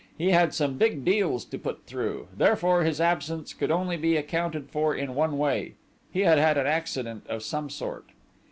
He had some big deals to put through, therefore his absence could only be accounted for in one way he had had an accident of some sort.